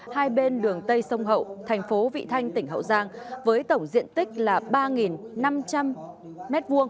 hai bên đường tây sông hậu thành phố vị thanh tỉnh hậu giang với tổng diện tích là ba năm trăm linh m hai